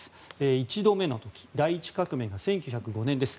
１度目の時、第１革命が１９０５年です。